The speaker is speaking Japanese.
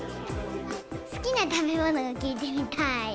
好きな食べ物を聞いてみたい。